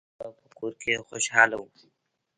هغه په کور کې خوشحاله و.